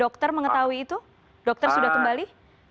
dokter mengetahui itu dokter sudah kembali